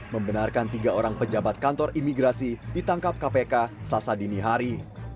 membenarkan tiga orang pejabat kantor imigrasi ditangkap kpk selasa dini hari